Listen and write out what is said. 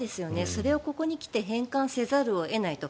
それをここに来て変換せざるを得ないと。